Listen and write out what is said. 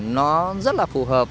nó rất là phù hợp